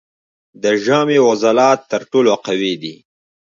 د ژامې عضلات تر ټولو قوي دي.